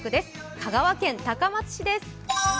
香川県高松市です。